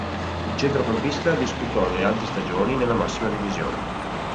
Il centrocampista disputò le altre stagioni nella massima divisione.